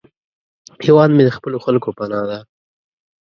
هیواد مې د خپلو خلکو پناه ده